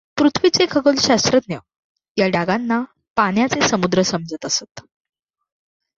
पूर्वीचे खगोलशास्त्रज्ञ या डागांना पाण्याचे समुद्र समजत असत.